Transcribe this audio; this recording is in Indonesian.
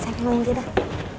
saya ke belakang aja dah